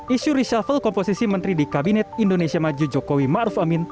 isu reshuffle komposisi menteri di kabinet indonesia maju jokowi ma'ruf amin